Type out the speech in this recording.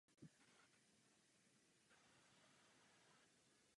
Zadruhé už nesmíme daňovým poplatníkům ukládat dvojí pokuty.